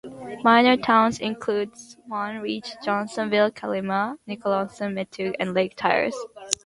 Minor towns include Swan Reach, Johnsonville, Kalimna, Nicholson, Metung and Lake Tyers.